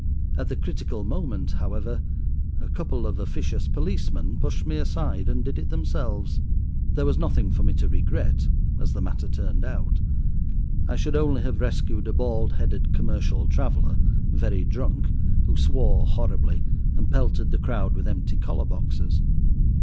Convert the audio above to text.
At the critical moment, however, a couple of officious policemen pushed me aside and did it themselves. There was nothing for me to regret, as the matter turned out. I should only have rescued a bald headed commercial traveller, very drunk, who swore horribly, and pelted the crowd with empty collar boxes.